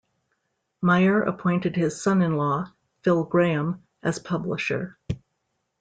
Meyer appointed his son-in-law, Phil Graham, as publisher.